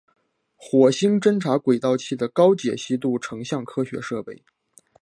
火星侦察轨道器的高解析度成像科学设备。